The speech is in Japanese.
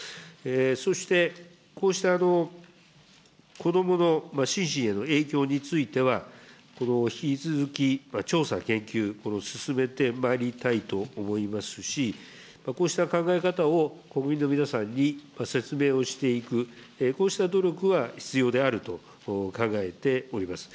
そして、こうした子どもの心身への影響については、引き続き調査、研究を進めてまいりたいと思いますし、こうした考え方を国民の皆さんに説明をしていく、こうした努力が必要であると考えております。